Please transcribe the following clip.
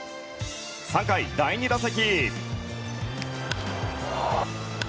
３回、第２打席。